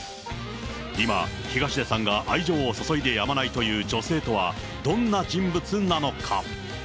今、東出さんが愛情を注いでやまないという女性とは、どんな人物なのか。